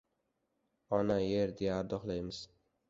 Ona-Yor, deya ardoqlaymiz.